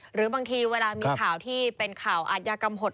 หรือบางทีเวลามีข่าวที่เป็นข่าวอาทยากรรมหด